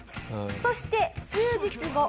そして数日後。